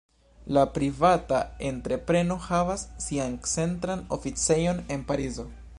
La privata entrepreno havas sian centran oficejon en Parizo.